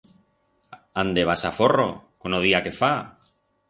Ande vas aforro, con o día que fa!